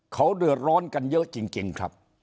เขาเดือดร้อนกันเยอะจริงครับ